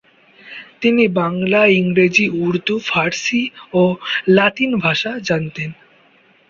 তিনি বাংলা, ইংরেজি, উর্দু, ফার্সি ও লাতিন ভাষা জানতেন।